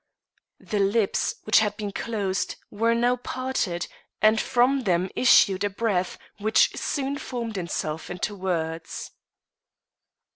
The lips, which had been closed, were now parted, and from them issued a breath which soon formed itself into words.